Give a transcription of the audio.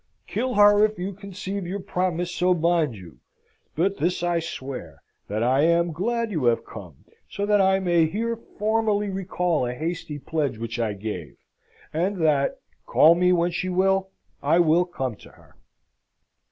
Kill her if you conceive your promise so binds you: but this I swear, that I am glad you have come, so that I may here formally recall a hasty pledge which I gave, and that, call me when she will, I will come to her!"